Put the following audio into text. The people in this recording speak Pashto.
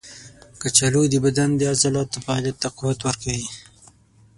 کچالو د بدن د عضلاتو فعالیت ته قوت ورکوي.